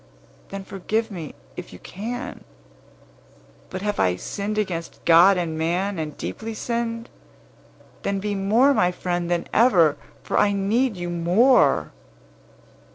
Then forgive me, if you can. But, have I sinned against God and man, and deeply sinned? Then be more my friend than ever, for I need you more."